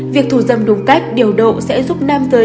việc thù dâm đúng cách điều độ sẽ giúp nam giới